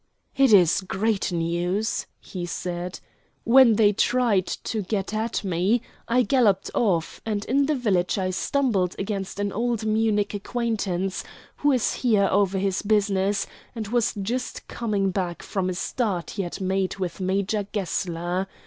"It is great news," he said. "When they tried to get at me, I galloped off, and in the village I stumbled against an old Munich acquaintance, who is here over this business, and was just coming back from a start he had made with Major Gessler.